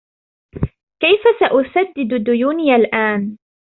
كيفَ سأسدد ديونى الآن ؟